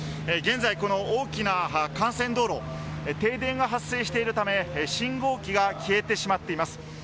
現在、大きな幹線道路停電が発生しているため信号機が消えています。